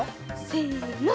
せの。